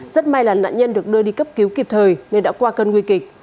rất may là nạn nhân được đưa đi cấp cứu kịp thời nên đã qua cơn nguy kịch